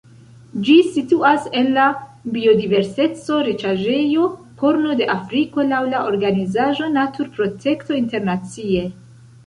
Ĝi situas en la biodiverseco-riĉaĵejo Korno de Afriko laŭ la organizaĵo Naturprotekto Internacie.